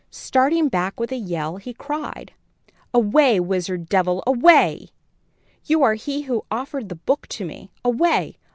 Starting back with a yell, he cried: "Away! wizard, devil, away! You are he who offered the book to me. Away!